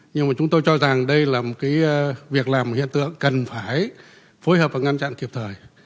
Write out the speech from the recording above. nhưng mà chúng tôi cho rằng đây là một cái việc làm hiện tượng cần phải phối hợp và ngăn chặn kịp thời